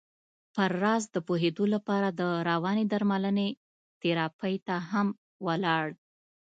پر راز د پوهېدو لپاره د روانې درملنې تراپۍ ته هم ولاړ.